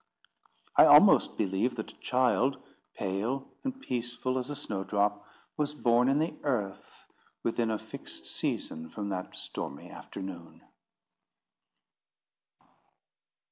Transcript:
I almost believe that a child, pale and peaceful as a snowdrop, was born in the Earth within a fixed season from that stormy afternoon.